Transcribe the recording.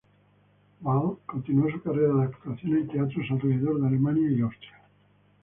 Vaal continuó su carrera de actuación en teatros alrededor de Alemania y Austria.